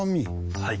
はい。